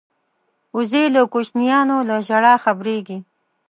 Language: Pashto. وزې د کوچنیانو له ژړا خبریږي